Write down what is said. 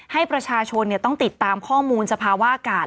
ให้ประชาชนต้องติดตามข้อมูลสภาวะอากาศ